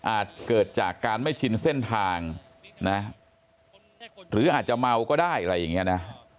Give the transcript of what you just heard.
เกิดจากการไม่ชินเส้นทางนะหรืออาจจะเมาก็ได้อะไรอย่างนี้นะ